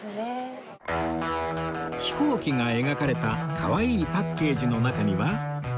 飛行機が描かれたかわいいパッケージの中には